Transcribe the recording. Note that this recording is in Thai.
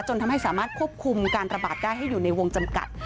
ทำให้สามารถควบคุมการระบาดได้ให้อยู่ในวงจำกัด